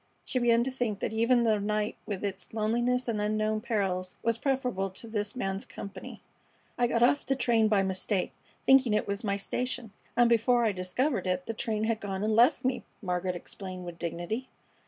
She began to think that even the night with its loneliness and unknown perils was preferable to this man's company. "I got off the train by mistake, thinking it was my station, and before I discovered it the train had gone and left me," Margaret explained, with dignity.